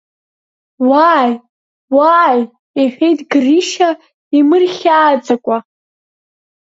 Уааи, уааи, – иҳәеит Грышьа имырхьааӡакәа.